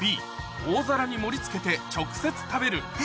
Ｂ「大皿に盛り付けて直接食べる」